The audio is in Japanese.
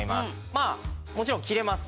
まあもちろん切れます。